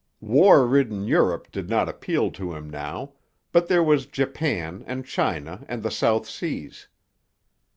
War ridden Europe did not appeal to him now, but there was Japan and China and the South Seas.